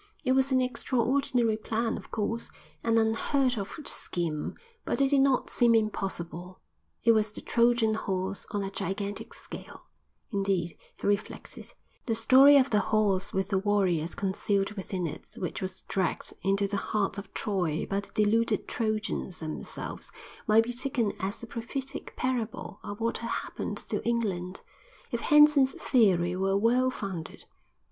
It was an extraordinary plan, of course; an unheard of scheme; but it did not seem impossible. It was the Trojan Horse on a gigantic scale; indeed, he reflected, the story of the horse with the warriors concealed within it which was dragged into the heart of Troy by the deluded Trojans themselves might be taken as a prophetic parable of what had happened to England—if Henson's theory were well founded.